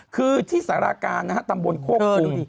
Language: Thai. คือที่สาราการนะฮะตำบลควบคุม